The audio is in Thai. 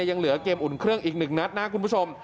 ยังเหลือเกมอุ่นเครื่องอีก๑นัดนะคุณผู้ชม